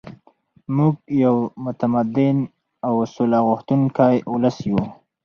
موږ یو متمدن او سوله غوښتونکی ولس یو.